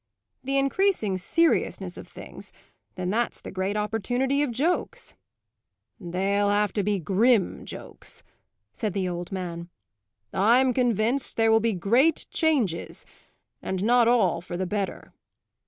"The increasing seriousness of things, then that's the great opportunity of jokes." "They'll have to be grim jokes," said the old man. "I'm convinced there will be great changes, and not all for the better."